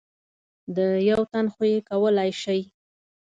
د یو تن خو یې کولای شئ .